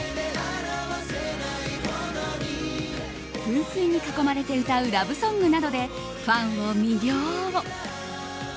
噴水に囲まれて歌うラブソングなどでファンを魅了。